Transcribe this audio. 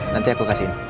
nanti aku kasihin